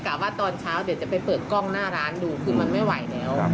ว่าตอนเช้าเดี๋ยวจะไปเปิดกล้องหน้าร้านดูคือมันไม่ไหวแล้ว